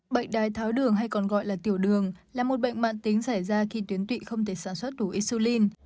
bệnh đai tháo đường hay còn gọi là tiểu đường là một bệnh mạng tính xảy ra khi tuyến tụy không thể sản xuất đủ isulin